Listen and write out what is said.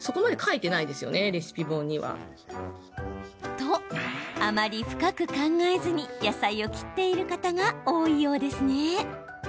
と、あまり深く考えずに野菜を切っている方が多いようですね。